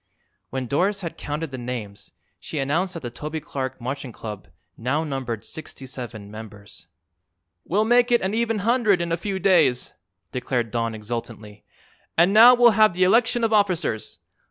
When Doris had counted the names she announced that the Toby Clark Marching Club now numbered sixty seven members. "We'll make it an even hundred in a few days," declared Don exultantly. "And now we'll have the election of officers.